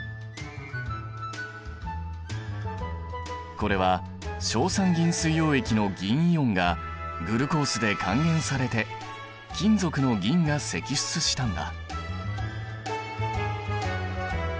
これは硝酸銀水溶液の銀イオンがグルコースで還元されて金属の銀が析出したんだ。